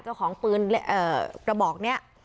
เจ้าของปืนกระบอกนี้